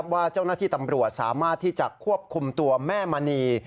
ว่าเจ้าหน้าที่ตำรวจสามารถที่จะควบคุมตัวแม่มณี